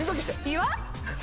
岩？